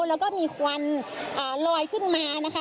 แล้วก็มีควันลอยขึ้นมานะคะ